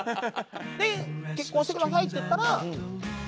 で「結婚してください」って言ったら断られて。